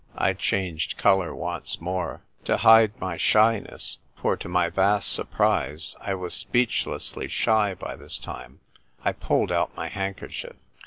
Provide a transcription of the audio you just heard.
I changed colour once more. To hide my shyness — for to my vast surprise, I was speechlessly shy by this time — I pulled out my handkerchief.